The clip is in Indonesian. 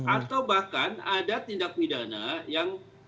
atau bahkan ada tindak pidana yang